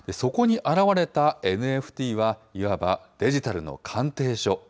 そこに現れたＮＦＴは、いわばデジタルの鑑定書。